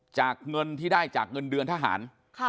เงินที่ได้จากเงินเดือนทหาร